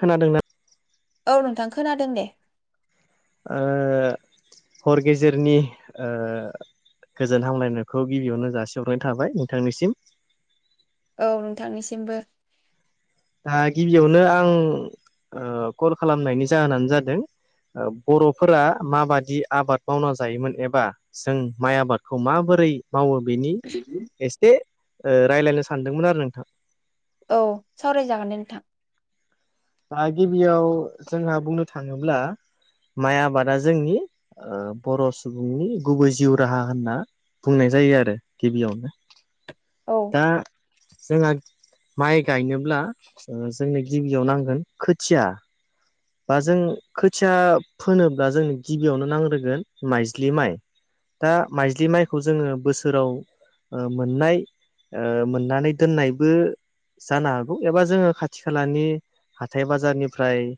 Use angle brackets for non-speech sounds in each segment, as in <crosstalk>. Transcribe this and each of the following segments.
खोनादोंना औ नोंथां खोनादों दे। ओ हर गेजेरनि ओ गोजोन हामलायनायखौ गिबियावनो जासिहरनाय थाबाय नोंथांनिसिम। औ नोंथांनिसिमबो। दा गिबियावनो आं ओ कल खालामनायनि जाहोनानो जादों बर'फोरा माबादि आबाद मावना जायोमोन एबा जों माइ आबादखौ माबोरै मावो बेनि एसे ओ रायज्लायनो सानदोंमोन आरो नोंथां। औ सावरायजागोन दे नोंथां। दा गिबियाव जोंहा बुंनो थाङोब्ला माइ आबादा जोंनि ओ बर' सुबुंनि गुबै जिउ राहा होनना बुंनाय जायो आरो गिबियावनो। औ। दा जोंहा माइ गायनोब्ला जोंनो गिबियाव नांगोन खोथिया। बा जों खोथिया फोनोब्ला जोंनो गिबियावनो नांग्रोगोन माइज्लि माइ। दा माइज्लि माइखौ जोङो बोसोराव मोननाय ओ मोननानै दोननायबो जानो हागौ एबा जोङो खाथि खालानि हाथाय बाजारनिफ्राय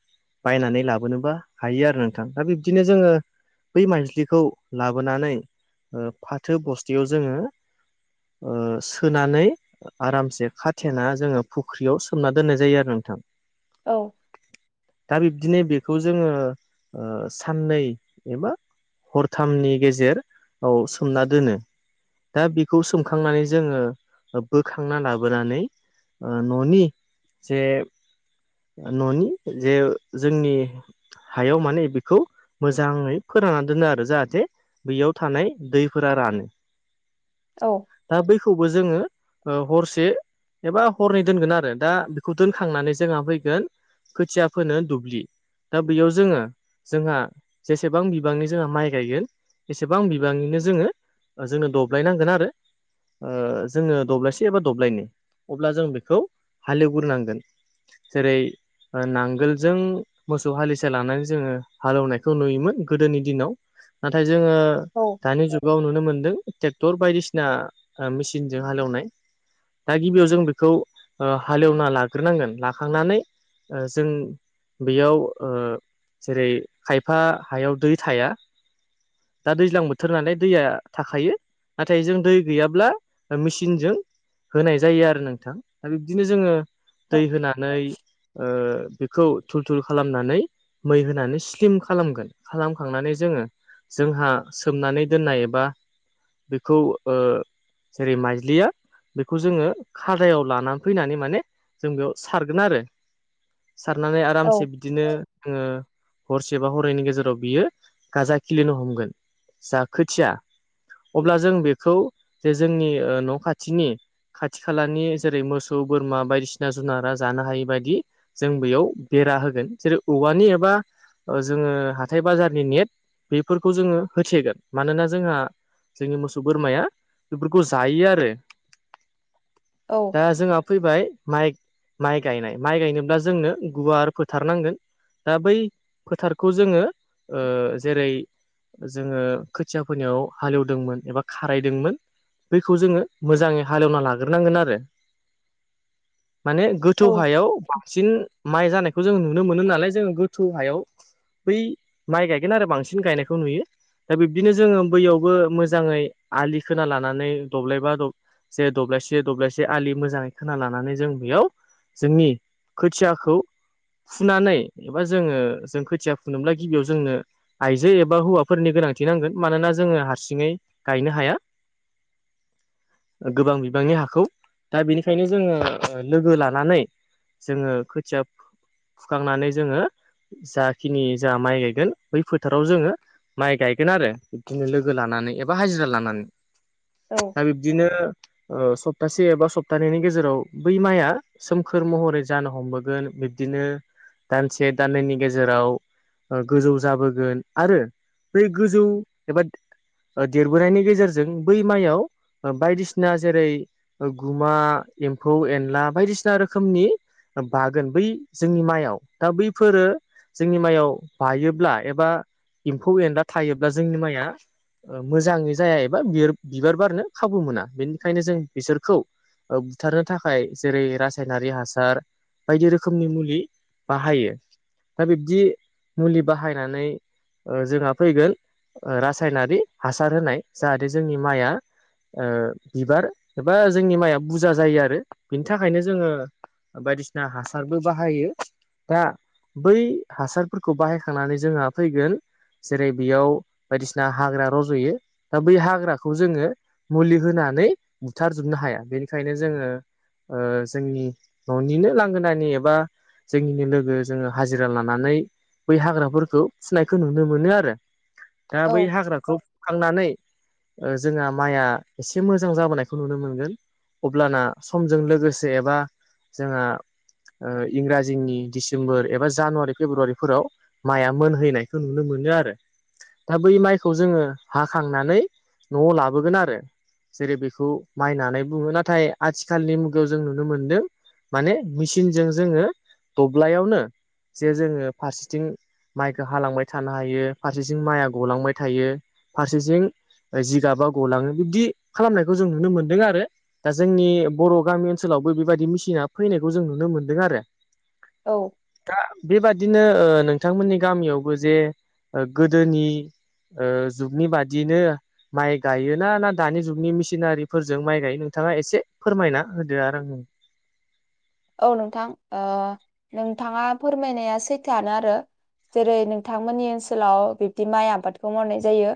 बायनानै लाबोनोबो हायो आरो नोंथां दा बिब्दिनो जोङो बै माइलिखौ लाबोनानै ओ फाथो बस्थाययाव जोङो ओ सोनानै आरामसे खाथेना जोङो फुख्रियाव सोमना दोननाय जायो आरो नोंथां। औ। दा बिब्दिनो बेखौ जोङो ओ साननै एबा हरथामनि गेजेर औ सोमना दोनो। दा बेखौ सोमखांनानै जोङो बोखांना लाबोनानै ओ ननि से ननि जे जोंनि हायाव माने बेखौ मोजाङै फोराननानै दोनो आरो जाहाथे बैयाव थानाय दैफोरा रानो। औ दा बैखौबो जोङो ओ हरसे एबा हरनै दोनगोन आरो दा बेखौ दोनखांनानै जोंहा फैगोन खोथिया फोनो दुब्लि दा बेैयाव जोङो जोंहा जेसेबां बिबांनि जोंहा माइ गायगोन एसेबां बिबांनिनो जोङो ओ जोंनो दब्लाय नांगोन आरो। ओ जोङो दब्लायसे बा दब्लायनै अब्ला जों बेखौ हालेव ग्रोनांगोन। जेरै ओ नांगोलजों मोसौ हालिसे लानानै जोङो हालौवनायखौ नुयोमोन गोदोनि दिनाव नाथाय जोङो औ दानि जुग गाव नुनो मोन्दों। ट्रेक्टर बायदिसिना मेचिनजों हालेवनाय दा गिबियाव जों बेखौ ओ हालेवना लाग्रोनांगोन लाखांनानै ओ जों बेयाव ओ जेरै खायफा हायाव दै थाया। दा दैज्लां बोथोर नालाय दैया थाखायो। नाथाय जों दै गैयाब्ला ओ मेचिनजों होनाय जायो आरो नोंथां। दा बिब्दिनो जोङो औ दै होनानै ओ बेखौ थुल थुल खालामनानै मै होनानै स्लिम खालामगोन खालाम खांनानै जोङो। जोंहा सोमनानै दोननाय एबा बेखौ ओ जेरै माइजलिया बेखौ जोङो खादायाव लाना फैनानै माने जों बेयाव सारगोन आरो। सारनानै औ आरामसे दिनो आङो हरसेबा हरनैनि गेजेराव बियो गाजा खिलिनो हमगोन। जा खोथिया अब्ला जों बेखौ जे जोंनि ओ न' खाथिनि खाथि खालानि जेरै मोसौ, बोरमा बायदिसिना जुनारा जानो हायि बायदि जों बेयाव बेरा होगोन जेरै औवानि एबा अ' जोङो हाथाय बाजारनि नेट बेफोरखौ जोङो होथेगोन। मानोना जोंहा जोंनि मोसौ, बोरमाया बेफोरखौ जायो आरो। औ दा जोंहा फैबाय माय माय गायनाय माय गायनोब्ला जोंनो गुवार फोथार नांगोन। दा बै फोथारखौ जोङो ओ जेरै जोङो खोथिया फोनायाव हालेवदोंमोन एबा खारायदोंमोन। बैखौ जोङो मोजाङै हालेवना लाग्रोनांगोन आरो। माने गोथौ हायाव बांसिन माइ जानायखौ जों नुनो मोनो नालाय। जोंङो गोथौ हायाव बै माइ गायगोन आरो बांसिन गायनायखौ नुयो। दा बिब्दिनो जोङो बैयावबो मोजाङै आलि खोना लानानै दब्लायबा द जे दब्लायसे दब्लायसे आलि मोजाङै खोना लानानै जों बेयाव जोंनि खोथियाखौ फुनानै एबा जोङो जों खोथिया फुनोब्ला गिबियाव जोंनो आइजो एबा हौवाफोरनि गोनांथि नांगोन। मानोना जोङो हारसिङै गायनो हाया। <inaudible> ओ गोबां बिबांनि हाखौ दा बेनिखायनो जोङो लोगो लानानै जोङो खोथिया फो फुखांनानै जोङो। जाखिनि जाहा माइ गायगोन बै फोथाराव जोङो। माइ गायगोन आरो बिबदिनो लोगो लानानै एबा हाजिरा लानानै। औ दा बिबदिनो ओ सप्तासे एबा सप्तानैनि गेजेराव बै माया सोमखोर महरै जानो हमबोगोन। बिब्दिनो दानसे दाननैनि गेजेराव ओ गोजौ जाबोगोन। आरो बै गोजौ एबा ओ देरबोनायनि गेजेरजों बै माइयाव बायदिसिना जेरै गुमा एम्फौ एनला बायदिसिना रोखोमनि बागोन बै जोंनि माइआव दा बैफोरो जोंनि माइयाव बायोब्ला एबा एम्फौ एनला थायोब्ला जोंनि माइया ओ मोजाङै जाया एबा बियोर बिबार बारनो खाबु मोना बेनिखायनो जों बिसोरखौ ओ बुथारनो थाखाय जेरै रासायनारि हासा <unintelligible> बायदि रोखोमनि मुलि बाहायो। दा बिब्दि मुलि बाहायनानै ओ जोंहा फैगोन रासायनारि हासार होनाय जाहाथे जोंनि माइआ ओ बिबार एबा जोंनि माइआ बुजा जायो आरो बिनि थाखायनो जोङो बायदिसिना हासारबो बाहायो दा बै हासारफोरखौ बाहायखांनानै जोंहा फैगोन जेरै बेयाव बायदिसिना हाग्रा रज'यो दा बै हाग्राखौ जोङो मुलि होनानै बुथारजोबनो हाया बेनिखायनो जोङो ओ जोंनि न'निनो लांगोनानि एबा जोंनिनो लोगो जोङो हाजिरा लानानै बै हाग्राफोरखौ फुनायखौ नुनो मोनो आरो दा बै औ हाग्राखौ खांनानै ओ जोंहा माइआ एसे मोजां जाबोनायखौ नुनो मोनगोन। अब्लाना समजों लोगोसे एबा जोंहा इंराजिंनि दिडिसेम्बर एबा जानुवारि फेब्रुवारिफोराव माइआ मोनहैनायखौ नुनो मोनो आरो। दा बै माइखौ जोङो हाखांनानै न'आव लाबोगोन आरो। जेरै बेखौ माइ नानाय बुङो नाथाय आथिखालनि मुगायाव जों नुनो मोनदों माने मेसिनजों जोङो दब्लायावनो जे जोङो फारसेथिं माइखौ हालांबाय थानो हायो फारसेथिं माइआ गलांबाय थायो फारसेसिं ओ जिगाबा गलाङो बिबदि खालामनायखौ जों नुनो मोन्दों आरो। दा जोंनि बर' गामि ओनसोलावबो बेबायदि मेसिना फैनायखौ जों नुनो मोनदों आरो। औ। दा बेबादिनो ओ नोंथांमोननि गामियावबो जे ओ गोदोनि ओ जुगनि बादिनो माइ गायोना ना दानि जुगनि मेसिनारिफोरजों माइ गायो नोंथाङा एसे फोरमायना होदो आरो नो औ नोंथां ओ नोंथाङा फोरमायनाया सैथोआनो आरो। जेरै नोंथांमोननि ओनसोलाव बिब्दि माइ आबादखौ मावनाय जायो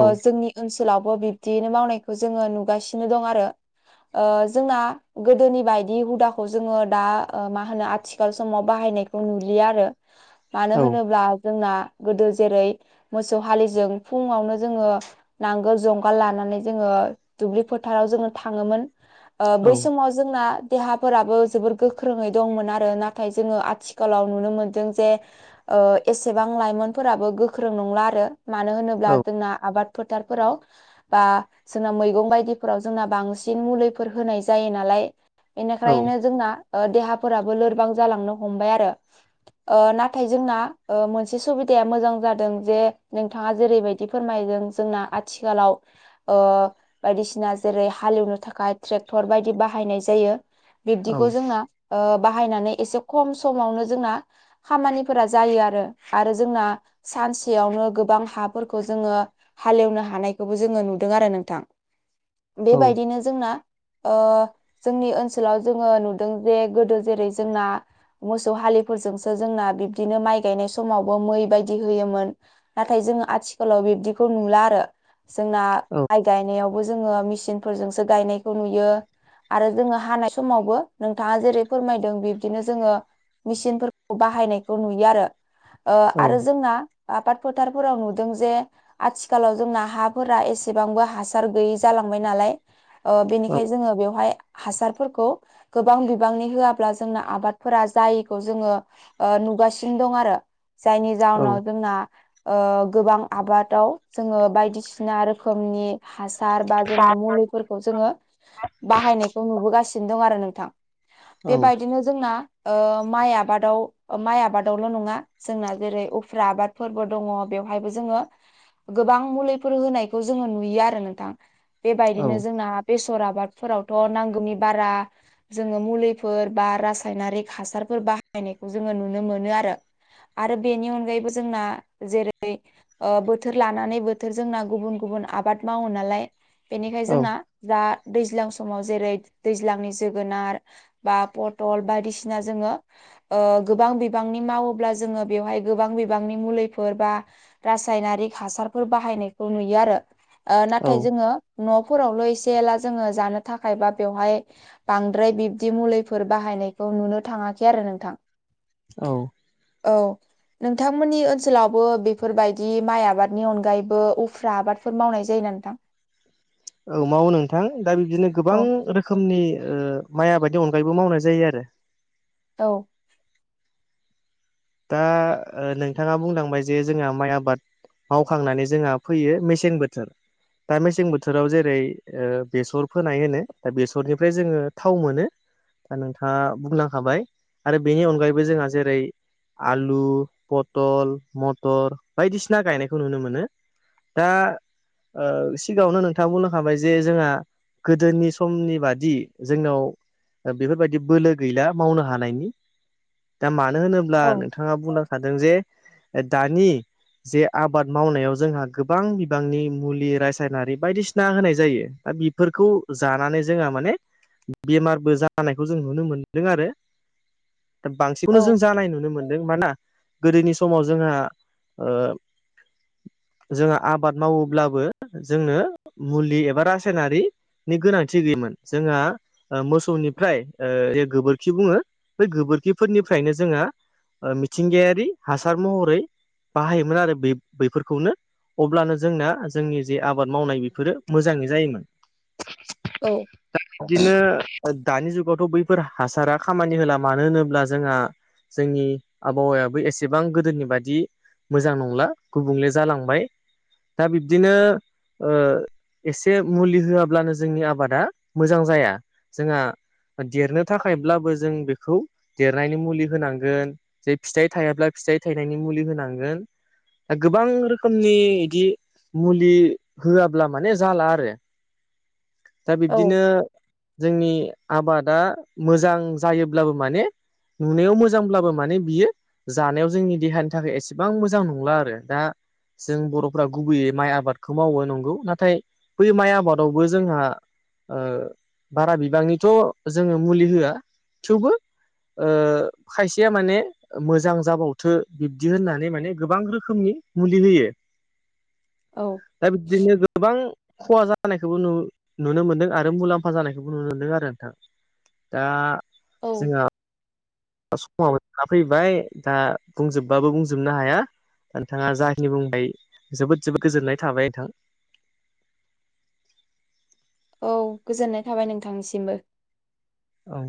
औ जोंनि ओनसोलावबो बिब्दियैनो मावनायखौ जोङो नुगासिनो दं आरो। ओ जोंना गोदोनि बायदि हुदा खौ जोङो दा मा होनो आथिखाल समाव बाहायनायखौ नुलया आरो। मानो औ होनोब्ला जोंना गोदो जेरै मोसौ हालिजों फुङावनो जोङो नांगोल जंगाल लानानै जोङो दुब्लि फोथाराव जोङो थाङोमोन। ओ औ बै समाव जोंना देहा फोराबो जोबोर गोख्रोङै दंमोन आरो नाथाय जोङो आथिखालाव नुनो मोनदों जे ओ एसेबां लाइमोनफोराबो गोख्रों नंला आरो मानो होनोब्ला औ जोंना आबाद फोथारफोराव बा जोंना मैगं बायदिफोराव जोंना बांसिन मुलिफोर होनाय जायो नालाय। फ्रा। औ यनो जोंना देहाफोराबो लोरबां जालांनो हमबाय आरो ओ नाथाय जोंना ओ मोनसे सुबिदाया मोजां जादों जे नोंथाङा जेरैबायदि दि फोरमायदों जोंना आथिखालाव ओ बायदिसिना जेरै हालेवनो थाखाय ट्रेक्टर बायदि बाहायनाय जायो। बिब्दिखौ जोंना ओ बाहायनानै एसे खम समावनो जोंना खामानिफोरा जायो आरो आरो जोंना सानसेयावनो गोबां हाफोरखौ जोङो हालेवनो हानायखौबो जोङो नुदों आरो नोंथां। औ बेबायदिनो जोंना ओ जोंनि ओन सोलाव जोङो नुदों जे गोदो जेरै जोंना मोसौ हालिफोरजोंसो जोंना बिबदिनो माइ गायनाय समावबो मै बायदि होयोमोन। नाथाय जोङो आथिखालाव बिब्दिखौ नुला आरो जोंना माइ गायनायावबो जोङो मेसिन फोरजोंसो गायनायखौ नुयो आरो जोङो हानाय समावबो नोंथाङा जेरै फोरमायदों बिब्दिनो जोङो मेसिनफोरखौ बाहायनायखौ नुयो आरो ओ औ आरो जोंना आबाद फोथारफोराव नुदों जे आथिखालाव जोंना हाफोरा एसेबांबो हासार गैयि जालांबाय नालाय ओ औ बेनिखायनो जोङो बेवहाय हासार फोरखौ गोबां बिबांनि होआब्ला जोंना आबादफोरा जायैखौ जोङो ओ नुगासिनो दं आरो जायनि औ जाहोनाव जोंना ओ गोबां आबादाव जोङो बायदिसिना रोखोमनि हासार बा जोङो मुलिफोरखौ जोङो बाहायनायखौ नुबोगासिनो दं आरो नोंथां। बेबायदिनो जोंना ओ माइ आबादाव माइ आबादावल' नङा जोंना जेरै उफ्रा आबाद फोरबो दङ बेवहायबो जोङो गोबां मुलिफोर होनायखौ जोङो नुयो आरो नोंथां। बेबायदिनो जोंना बेसर आबादफोरावथ' नांगौनि बारा जोङो मुलिफोर बा रासायनारिक हासारफोर बाहायनायखौ जोङो नुनो मोनो आरो। आरो बेनि अनगायैबो जोंना जेरै ओ बोथोर लानानै बोथोर जोंना गुबुन गुबुन आबाद मावो नालाय बेनिखाय औ जोंना दा दैज्लां समाव जेरै दैज्लांनि जोगोनार बा पटल बायदिसिना जोङो ओ गोबां बिबांनि मावोब्ला जोङो बेवहाय गोबां बिबांनि मुलिफोर बा रासायनारिक हासारफोर बाहायनायखौ नुयो आरो। ओ नाथाय जोङो न'फोरावल' एसे एला जोङो जानो थाखाय बा बेवहाय बांद्राय बिब्दि मुलिफोर बाहायनायखौ नुनो थाङाखै आरो नोंथां। औ। औ। नोंथांमोननि ओनसोलावबो बेफोरबायदि माइ आबादनि अनगायैबो उफ्रा आबादफोर मावनाय जायो ना नोंथां? औ मावो नोंथां दा बिबदिनो गोबां औ रोखोमनि माइ आबाददि अनगायैबो मावनाय जायो आरो। औ। दा ओ नोंथाङा बुंलांबाय जे जोंहा माइ आबाद मावखांनानै जोंहा फैयो मेसें बोथोर। दा मेसें बोथोराव जेरै ओ बेसर फोनाय होनो दा बेसरनिफ्राय जोङो थाव मोनो। दा नोंथाङा बुंलांखाबाय आरो बेनि अनगायैबो जोंहा जेरै आलु पटल मथर बायदिसिना गायनायखौ नुनो मोनो। दा ओ सिगाङावनो नोंथां बुं लांखाबाय जे जोंहा गोदोनि समनि बादि जोंनाव बेफोरबायदि बोलो गैला मावनो हानायनि दा मानो होनोब्ला नोंथां औ नोंथाङा बुंलांखादों जे दानि जे आबाद मावनायाव जोंहा गोबां बिबांनि मुलि रासायनारि बायदिसिना होनाय जायो बे फोरखौ जानानै जोंहा माने बेमारबो जानायखौ जों नुनो मोनदों आरो दा बांसिनखौनो जों जानाय नु नुनो मोनदों माना गोदोनि समाव जोंहा ओ जोङो आबाद मावोब्लाबो जोंनो मुलि एबा रासायनारि नि गोनांथि गैयोमोन जोंहा ओ मोसौनिफ्राय ओ बे गोबोरखि बुङो बै गोबोरखिफोरनिफ्रायनो जोङो ओ मिथिंगायारि हासार महरै बाहायोमोन आरो बे बैफोरखौनो। अब्लानो जोंना जोंनि जे आबाद मावनाय बेफोरो मोजाङै जायोमोन। औ दा बिदिनो दानि जुगावथ' बैफोर हासारा खामानि होला मानो होनोब्ला जोंहा जोंनि आबहावायाबो एसेबां गोदोनि बादि मोजां नंला गुबुंले जालांबाय दा बिब्दिनो ओ एसे मुलि होआब्लानो जोंनि आबादा मोजां जाया जोंहा देरनो थाखायब्लाबो जों बेखौ देरनायनि मुलि होनां गोन जे फिथाइ थायाब्ला फिथाइ थायनायनि मुलि होनांगोन। दा गोबां रोखोमनि इदि मुलि होआब्ला माने जाला आरो <inaudible> दा बिब्दिनो औ जोंनि आबादा मोजां जायोब्लाबो माने नुनायाव मो जांब्लाबो माने बियो जानायाव जोंनि देहानि थाखाय एसेबां मोजां नंला आरो दा जों बर'फ्रा गुबैयै माइ आबादखौ मावो नंगौ नाथाय बै माइ आबादावबो जोंहा बारा बिबांनिथ' जोङो मुलि होआ थेवबो ओ खायसेया माने मोजां जाबावथो बिब्दि होननानै माने गोबां रोखोमनि मुलि होयो। औ दा बिदिनो गोबां खहा जानायखौबो नु नुनो मोन्दों आरो मुलाम्फा जानायखौबो नुनो मोनदों आरो नोंथां। दा जोङो समाव जाना फैबाय दा बुंजोबबाबो बुंजोबनो हाया। दा नोंथाङा जाखिनि बुंबाय जोबोद जोबोद गोजोननाय थाबाय नोंथां औ गोजोननाय थाबाय नोंथांनिसिमबो औ